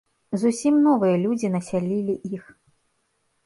Зусім новыя людзі насялілі іх.